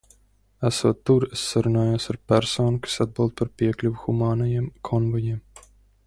Esot tur, es sarunājos ar personu, kas atbild par piekļuvi humānajiem konvojiem.